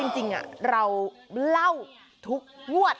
จริงเราเล่าทุกงวด